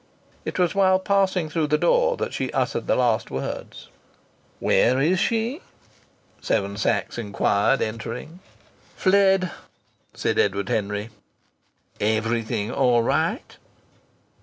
It was while passing through the door that she uttered the last words. "Where is she?" Seven Sachs inquired, entering. "Fled!" said Edward Henry. "Everything all right?"